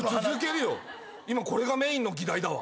今これがメインの議題だわ。